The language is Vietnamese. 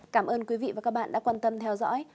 cảm ơn quý vị và các bạn đã quan tâm theo dõi